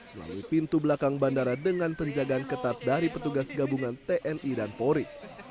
melalui pintu belakang bandara dengan penjagaan ketat dari petugas gabungan tni dan polri